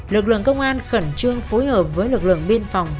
lực lượng công an khẩn trương phối hợp với lực lượng biên phòng